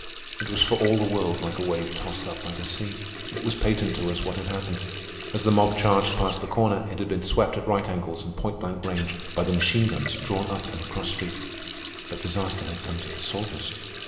It was for all the world like a wave tossed up by the sea. It was patent to us what had happened. As the mob charged past the corner, it had been swept, at right angles and point blank range, by the machine guns drawn up on the cross street. But disaster had come to the soldiers.